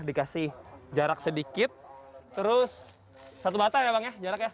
dikasih jarak sedikit terus satu batang ya bang ya jaraknya